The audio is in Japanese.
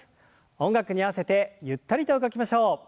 音楽に合わせてゆったりと動きましょう。